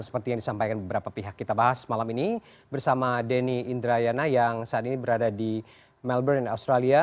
seperti yang disampaikan beberapa pihak kita bahas malam ini bersama denny indrayana yang saat ini berada di melbourne australia